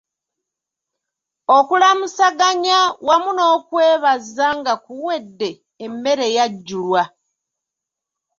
Okulamusaganya wamu n'okwebaza nga biwedde, emmere yajjulwa.